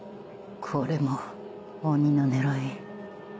これも鬼の狙い？